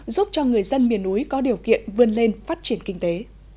giúp cho người dân miền núi có điều kiện vươn lên phát triển kinh tế